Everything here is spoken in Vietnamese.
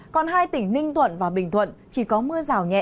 còn hai tỉnh ninh thuận và bình thuận chỉ có mưa rào nhẹ